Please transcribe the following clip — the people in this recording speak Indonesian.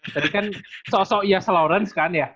tadi kan sosok ia slaurence kan ya